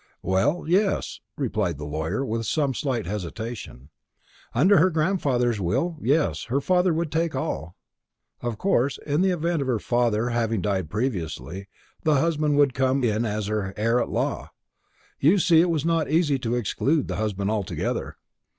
"Well, yes," replied the lawyer with some slight hesitation; "under her grandfather's will, yes, her father would take all. Of course, in the event of her father having died previously, the husband would come in as heir at law. You see it was not easy to exclude the husband altogether."